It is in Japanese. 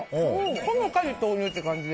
ほのかに豆乳って感じ。